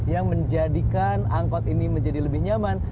yang menjadikan angkot ini menjadi lebih nyaman